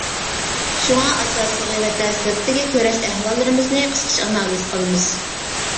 شۇڭا ئاساسلىقى ۋەتەن سىرتىدىكى كۈرەش ئەھۋاللىرىمىزنى قىسقىچە ئانالىز قىلىمىز .